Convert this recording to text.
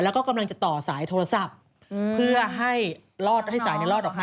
แล้วก็กำลังจะต่อสายโทรศัพท์เพื่อให้รอดให้สายรอดออกมา